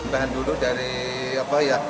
tahan dulu dari apa ya